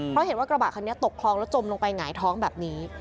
เพราะเห็นว่ากระบะคันนี้ตกคลองแล้วจมลงไปหงายท้องแบบนี้